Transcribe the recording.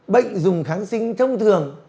bệnh dùng kháng sinh thông thường